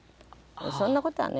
そんなことはね